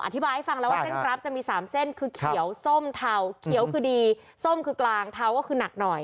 อธิบายให้ฟังแล้วว่าเส้นกราฟจะมี๓เส้นคือเขียวส้มเทาเขียวคือดีส้มคือกลางเทาก็คือหนักหน่อย